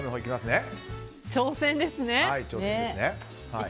挑戦ですね。